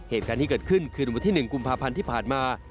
เหตุการณ์ที่เกิดขึ้นคืนวันที่๑กุมภาพันธ์ที่ผ่านมา